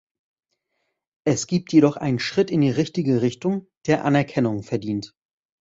Es gibt jedoch einen Schritt in die richtige Richtung, der Anerkennung verdient.